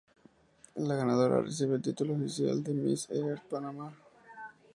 La Ganadora recibe el título oficial de Miss Earth Panamá.